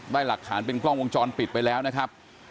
หลักฐานเป็นกล้องวงจรปิดไปแล้วนะครับ